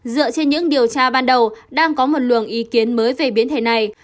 dựa trên những điều tra ban đầu đang có một luồng ý kiến mới về biến thể này